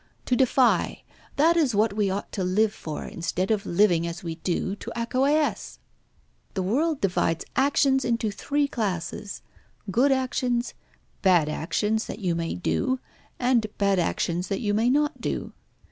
To defy. That is what we ought to live for, instead of living, as we do, to acquiesce. The world divides actions into three classes: good actions, bad actions that you may do, and bad actions that you may not do.